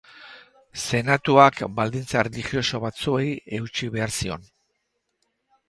Senatuak baldintza erlijioso batzuei eutsi behar zion.